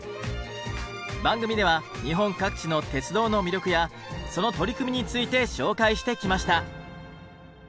番組では日本各地の鉄道の魅力やその取り組みについて紹介してきました。